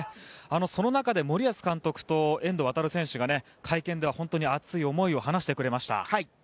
その中で森保監督と遠藤航選手が会見では熱い思いを話してくれました。